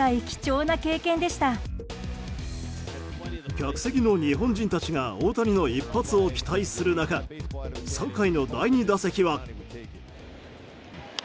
客席の日本人たちが大谷の一発を期待する中３回の第２打席は。